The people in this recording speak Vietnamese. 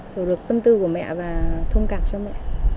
hiểu được tâm tư của mẹ và thông cảm cho mẹ